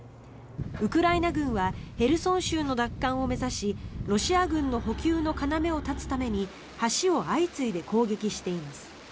ウクライナ軍はヘルソン州の奪還を目指しロシア軍の補給の要を断つために橋を相次いで攻撃しています。